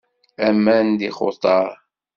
Aman d ixutar.